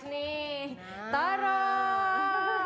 tapi ada ubat